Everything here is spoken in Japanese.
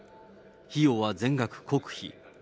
費用は全額国費。